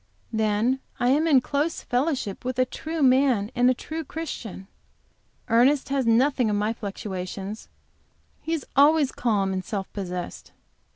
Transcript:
Then I am in close fellowship with a true man and a true Christian. Ernest has none of my fluctuations; he is always calm and self possessed.